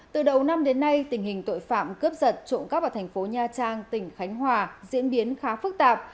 từ đầu năm đến nay tình hình tội phạm cướp giật trộm cắp ở thành phố nha trang tỉnh khánh hòa diễn biến khá phức tạp